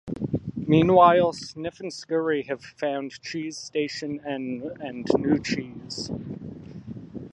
Meanwhile, Sniff and Scurry have found "Cheese Station N," and new cheese.